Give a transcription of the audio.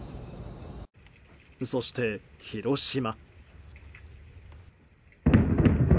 そして、広島。